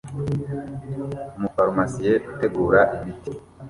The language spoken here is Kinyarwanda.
Umufarumasiye utegura imiti